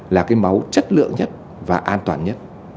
là cái máu chất lượng nhất và an toàn nhất